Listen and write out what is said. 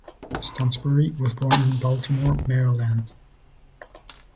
Stansbury was born in Baltimore, Maryland.